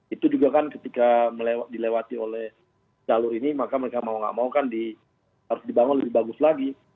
itu juga kan ketika dilewati oleh jalur ini maka mereka mau nggak mau kan harus dibangun lebih bagus lagi